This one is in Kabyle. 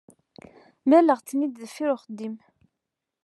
Mlaleɣ-ten-id deffir uxeddim.